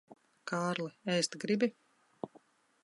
Kārli, ēst gribi?